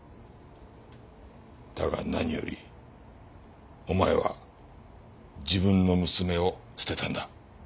だが何よりお前は自分の娘を捨てたんだ。